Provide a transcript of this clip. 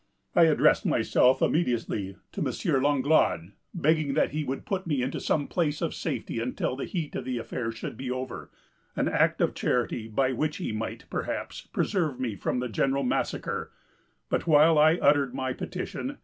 I addressed myself immediately to M. Langlade, begging that he would put me into some place of safety until the heat of the affair should be over; an act of charity by which he might, perhaps, preserve me from the general massacre; but while I uttered my petition, M.